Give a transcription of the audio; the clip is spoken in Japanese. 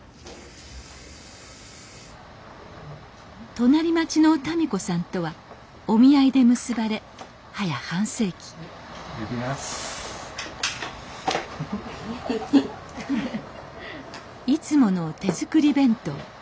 隣町のたみ子さんとはお見合いで結ばれはや半世紀いつもの手作り弁当。